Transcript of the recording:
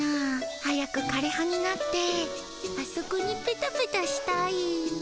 早く枯れ葉になってあそこにペタペタしたい。